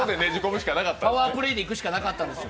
パワープレーでいくしかなかったんですよ。